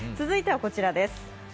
続いてはこちらです。